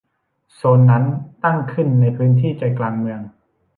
โซนนั้นตั้งขึ้นในพื้นที่ใจกลางเมือง